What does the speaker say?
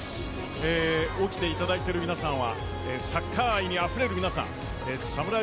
起きていただいている皆さんはサッカー愛にあふれる皆さんサムライ